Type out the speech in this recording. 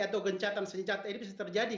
atau gencatan senjata ini bisa terjadi